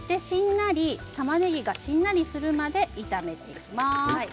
たまねぎがしんなりするまで炒めていきます。